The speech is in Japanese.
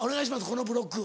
このブロック。